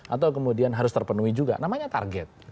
atau kemudian harus terpenuhi juga namanya target